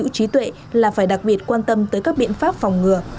để đặc biệt quan tâm tới các biện pháp phòng ngừa